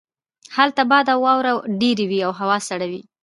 هلته باد او واوره ډیره وی او هوا سړه وي